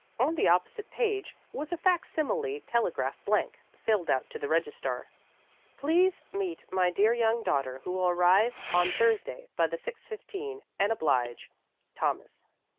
On the opposite page was a facsimile telegraph blank, filled out to the registrar, "Please meet my dear young daughter, who will arrive on Thursday by the 6:15, and oblige, "Thomas